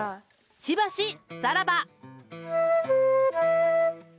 しばしさらば。